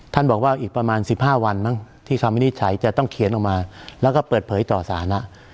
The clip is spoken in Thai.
บอกว่าอีกประมาณ๑๕วันมั้งที่คำวินิจฉัยจะต้องเขียนออกมาแล้วก็เปิดเผยต่อสาระ